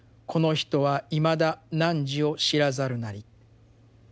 この人はいまだ汝を知らざるなり」。